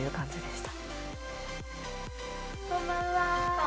こんばんは。